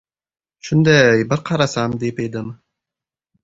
— Shunday, bir qarasam deb edim.